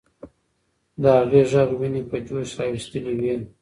د هغې ږغ ويني په جوش راوستلې وې.